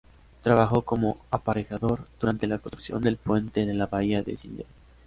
Trabajó como aparejador durante la construcción del puente de la bahía de Sídney.